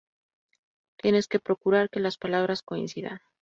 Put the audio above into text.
Tienes que procurar que las palabras coincidan.